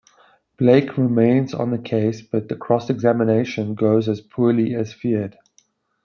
Blake remains on the case, but the cross-examination goes as poorly as feared.